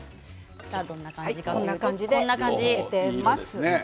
こんな感じで焼けています。